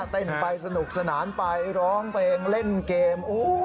เต้นไปสนุกสนานไปร้องเพลงเล่นเกม